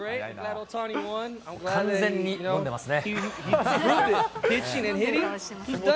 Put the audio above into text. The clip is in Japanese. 完全に飲んでますね。